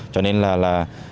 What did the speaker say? cho nên là từ